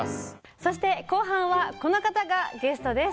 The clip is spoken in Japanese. そして後半はこの方がゲストです。